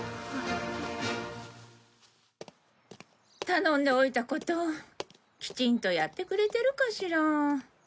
頼んでおいたこときちんとやってくれているかしら？